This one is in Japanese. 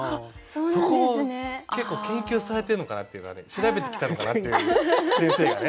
そこを結構研究されてるのかなっていうのはね調べてきたのかなっていう先生がね。